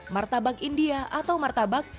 martabak india atau martabak